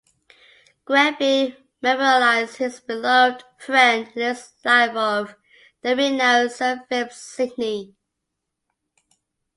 Greville memorialized his beloved friend in his Life of the Renowned Sir Philip Sidney.